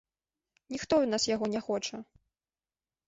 Ніхто ў нас яго не хоча.